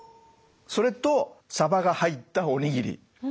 それとさばが入ったおにぎり。